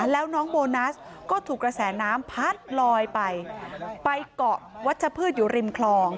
แล้วน้องโบนัสก็ถูกกระแสน้ำพัดลอยไปไปเกาะวัชพืชอยู่ริมคลอง